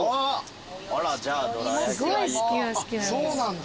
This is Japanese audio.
そうなんだ。